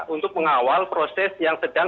untuk mengawal proses yang sedang